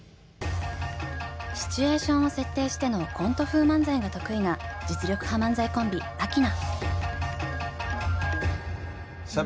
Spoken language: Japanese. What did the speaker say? シチュエーションを設定してのコント風漫才が得意な実力派漫才コンビアキナ。